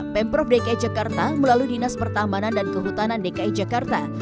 pemprov dki jakarta melalui dinas pertamanan dan kehutanan dki jakarta